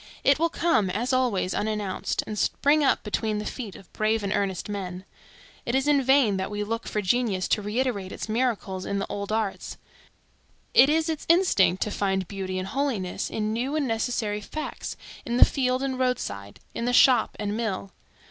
It will come, as always, unannounced, and spring up between the feet of brave and earnest men. It is in vain that we look for genius to reiterate its miracles in the old arts; it is its instinct to find beauty and holiness in new and necessary facts, in the field and road side, in the shop and mill.